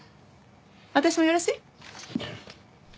私もよろしい？